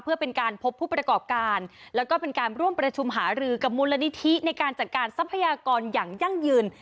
เพื่อเป็นการพบผู้ประกอบการแล้วก็เป็นการร่วมประชุมหารือกับมูลนิธิในการจัดการทรัพยากรอย่างยั่งยืน